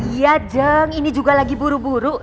iya jeng ini juga lagi buru buru